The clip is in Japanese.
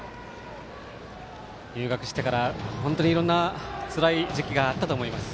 入学してから本当にいろんなつらい時期があったと思います。